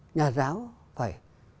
nhà giáo phải